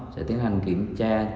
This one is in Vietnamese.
sẽ tiến hành kiểm tra